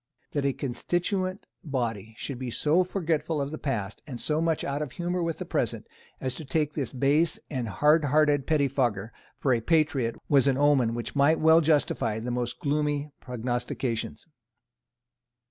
That a great constituent body should be so forgetful of the past and so much out of humour with the present as to take this base and hardhearted pettifogger for a patriot was an omen which might well justify the most gloomy prognostications.